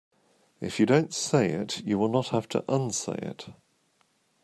If you don't say it you will not have to unsay it.